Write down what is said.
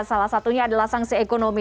salah satunya adalah sanksi ekonomi